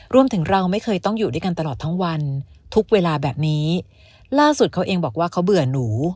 รวมถึงเราไม่เคยต้องอยู่ด้วยกันตลอดทั้งวันทุกเวลาแบบนี้ล่าสุดเขาเองบอกว่าเขาเบื่อหนู